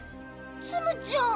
ツムちゃん。